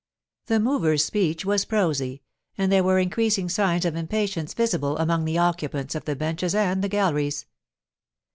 The mover's speech was prosy, and there were increasing signs of impatience visible among the occupants of the benches and the galleries.